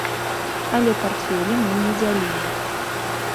Але партфелі мы не дзялілі.